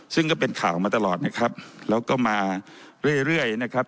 ซึ่งก็เป็นข่าวมาตลอดนะครับแล้วก็มาเรื่อยเรื่อยนะครับ